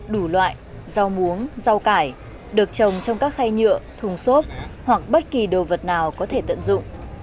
đủ loại rau muống rau cải được trồng trong các khay nhựa thùng xốp hoặc bất kỳ đồ vật nào có thể tận dụng